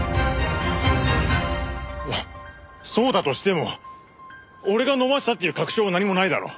いやそうだとしても俺が飲ませたっていう確証は何もないだろ。